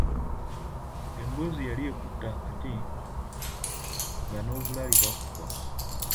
Emboozi yali ekutta akati nga n'obulali bakuba.